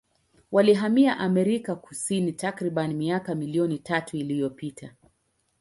Walihamia Amerika Kusini takribani miaka milioni tatu iliyopita.